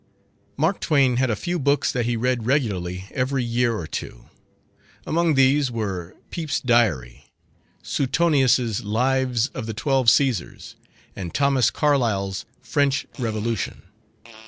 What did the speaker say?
Mark Twain had a few books that he read regularly every year or two. Among these were 'Pepys's Diary', Suetonius's 'Lives of the Twelve Caesars', and Thomas Carlyle's 'French Revolution'.